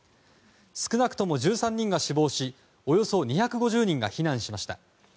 少なくとも１３人が死亡しおよそ２５０人が避難しました。